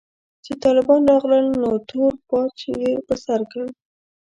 چې طالبان راغلل نو تور پاج يې پر سر کړ.